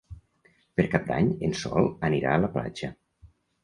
Per Cap d'Any en Sol anirà a la platja.